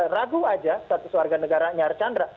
ragu saja status warga negara nyar chandra